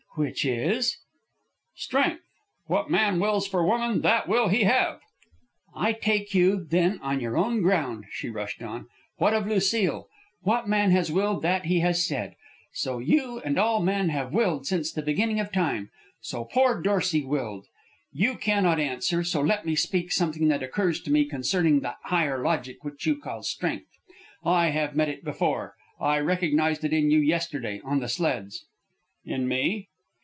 "Which is " "Strength. What man wills for woman, that will he have." "I take you, then, on your own ground," she rushed on. "What of Lucile? What man has willed that he has had. So you, and all men, have willed since the beginning of time. So poor Dorsey willed. You cannot answer, so let me speak something that occurs to me concerning that higher logic you call strength. I have met it before. I recognized it in you, yesterday, on the sleds." "In me?"